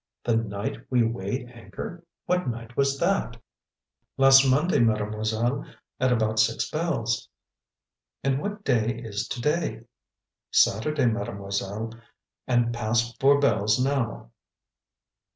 "'The night we weighed anchor!' What night was that?" "Last Monday, Mademoiselle; at about six bells." "And what day is to day?" "Saturday, Mademoiselle; and past four bells now."